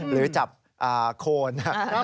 หรือจับโคน